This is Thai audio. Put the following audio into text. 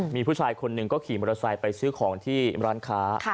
มีผู้ชายคนหนึ่งก็ขี่มอเตอร์ไซค์ไปซื้อของที่ร้านค้า